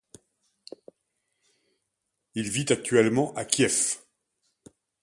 Il vit actuellement à Kiev.